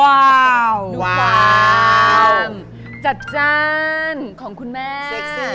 ดูความจัดจันของคุณแม่